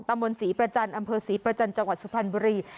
มนต์ศรีประจันทร์อำเภอศรีประจันทร์จังหวัดสุพรรณบุรี